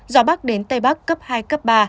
gió bắc đến tây bắc cấp hai cấp ba